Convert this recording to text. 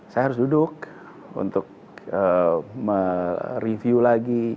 saya harus duduk untuk mereview lagi